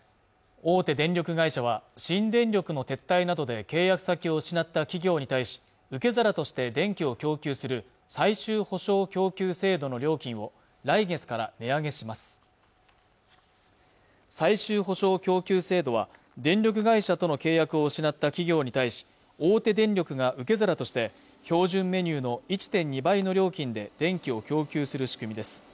大手電力会社は新電力の撤退などで契約先を失った企業に対し受け皿として電気を供給する最終保障供給制度の料金を来月から値上げします最終保障供給制度は電力会社との契約を失った企業に対し大手電力が受け皿として標準メニューの１．２倍の料金で電気を供給する仕組みです